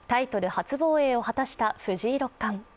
初防衛を果たした藤井六冠。